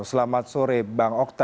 selamat sore bang okta